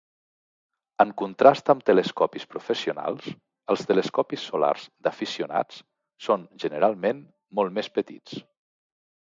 En contrast amb telescopis professionals, els telescopis solars d'aficionats són generalment molt més petits.